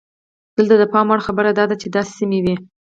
دلته د پام وړ خبره دا ده چې داسې سیمې وې.